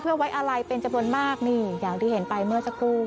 เพื่อไว้อะไรเป็นจำนวนมากนี่อย่างที่เห็นไปเมื่อสักครู่